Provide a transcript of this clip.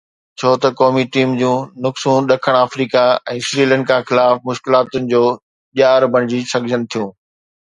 ڇو ته قومي ٽيم جون نقصون ڏکڻ آفريڪا ۽ سريلنڪا خلاف مشڪلاتن جو ڄار بڻجي سگهن ٿيون